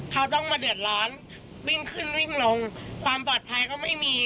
เขาต้องมาเดือดร้อนวิ่งขึ้นวิ่งลงความปลอดภัยก็ไม่มี